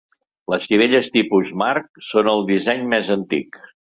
Les sivelles tipus marc són el disseny més antic.